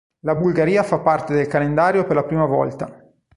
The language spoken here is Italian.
La Bulgaria fa parte del calendario per la prima volta.